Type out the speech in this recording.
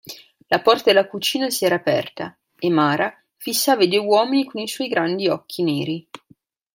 La porta della cucina si era aperta e Mara fissava i due uomini coi suoi grandi occhi neri.